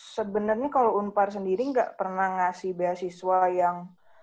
sebenernya kalau u empat belas sendiri nggak pernah ngasih beasiswa yang